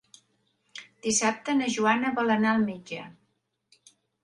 Dissabte na Joana vol anar al metge.